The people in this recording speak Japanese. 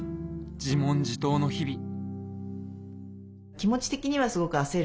自問自答の日々。